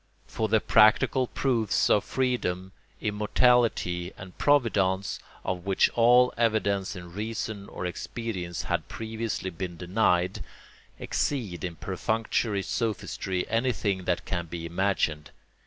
For the "practical" proofs of freedom, immortality, and Providence—of which all evidence in reason or experience had previously been denied—exceed in perfunctory sophistry anything that can be imagined.